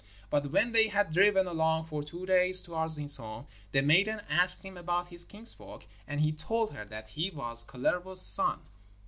But when they had driven along for two days towards his home, the maiden asked him about his kinsfolk, and he told her that he was Kalervo's son.